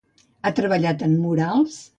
Ha treballat en murals?